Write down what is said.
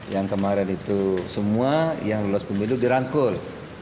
yang kemarin itu semua yang lolos pemilu dirangkul